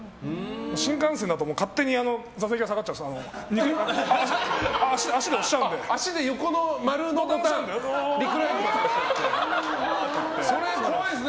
新幹線だと勝手に座席が下がっちゃうんですよ。